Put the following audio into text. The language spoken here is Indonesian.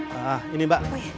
nah ini mbak